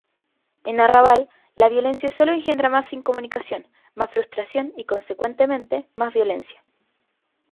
En Arrabal, la violencia sólo engendra más incomunicación, más frustración y, consecuentemente, más violencia.